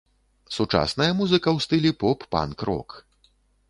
Сучасная музыка ў стылі поп-панк-рок.